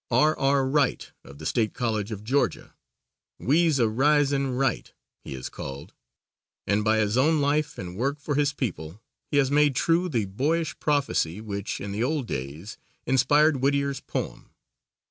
R.R. Wright, of the State College of Georgia, "We'se a risin' Wright," he is called, and by his own life and work for his people he has made true the boyish prophecy which in the old days inspired Whittier's poem.